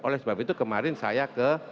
oleh sebab itu kemarin saya ke